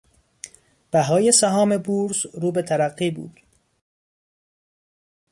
بهای سهام بورس رو به ترقی بود.